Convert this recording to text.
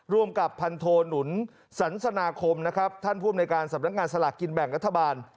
ร่วมกับพันโทหนุนสันสนาคมนะครับท่านผู้อำนวยการสำนักงานสลากกินแบ่งรัฐบาล